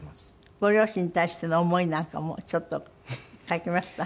ご両親に対しての思いなんかもちょっと書きました？